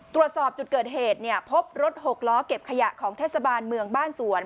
ตรวจสอบจุดเกิดเหตุเนี่ยพบรถหกล้อเก็บขยะของเทศบาลเมืองบ้านสวน